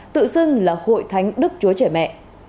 tự xưng là hội thánh đức chúa trẻ mẹ